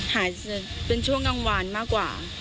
หายเป็นช่วงกลางวันมากกว่า